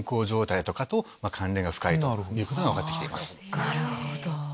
なるほど。